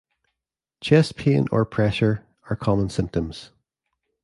Chest pain or pressure are common symptoms.